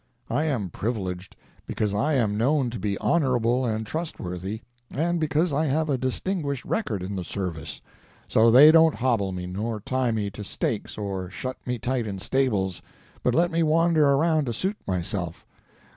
I am privileged, because I am known to be honorable and trustworthy, and because I have a distinguished record in the service; so they don't hobble me nor tie me to stakes or shut me tight in stables, but let me wander around to suit myself.